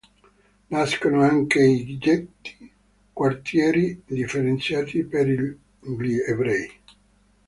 Nascono anche i "ghetti" quartieri differenziati per gli ebrei.